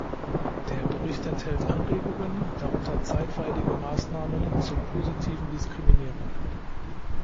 Der Bericht enthält Anregungen, darunter zeitweilige Maßnahmen zur positiven Diskriminierung.